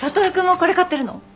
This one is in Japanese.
羽くんもこれ買ってるの？